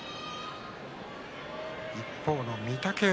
一方の御嶽海